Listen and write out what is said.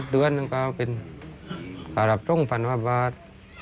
เดือนก็เป็นหลับตรง๑๐๐๐บาท